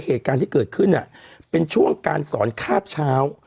เหตุการณ์ที่เกิดขึ้นเป็นช่วงการสอนคาบเช้า